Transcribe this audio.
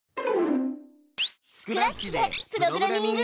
スクラッチでプログラミング！